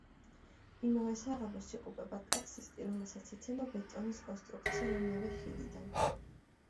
იმავე საღამოს იღუპება ტაქსისტი, რომელსაც ეცემა ბეტონის კონსტრუქცია იმავე ხიდიდან.